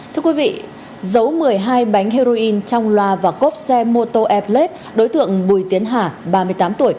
thưa quý vị giấu một mươi hai bánh heroin trong loa và cốp xe mô tô airplete đối tượng bùi tiến hà ba mươi tám tuổi